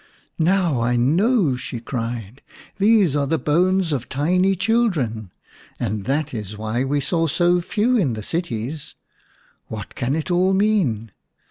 "Now I know!" she cried. "These are the bones of tiny children, and that is why we saw so few in the cities. What can it all mean